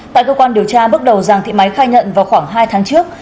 tại cơ quan điều tra bước đầu giàng thị máy khai nhận vào khoảng hai tháng trước